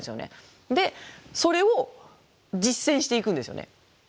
でそれを実践していくんですよね。